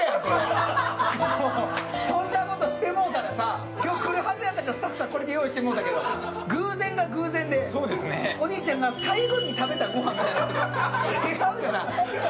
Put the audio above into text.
そんなことしてもうたらさ、今日、来ると思ってスタッフさん、これで用意してもろうたけど、偶然が偶然でお兄ちゃんが最後に食べたご飯やから。